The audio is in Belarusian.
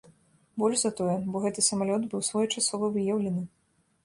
Больш за тое, бо гэты самалёт быў своечасова выяўлены.